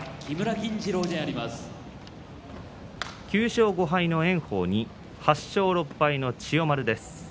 ９勝５敗の炎鵬に８勝６敗の千代丸です。